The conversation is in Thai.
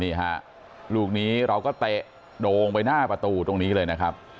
นี่ฮะลูกนี้เราก็เตะโดงไปหน้าประตูตรงนี้เลยนะครับ